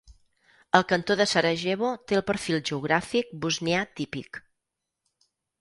El Cantó de Sarajevo té el perfil geogràfic bosnià típic.